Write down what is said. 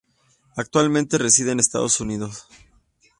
Actualmente reside en Estados Unidos.